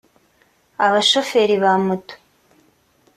abashoferi ba moto